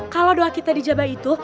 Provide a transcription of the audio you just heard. kalau doa kita dijabah itu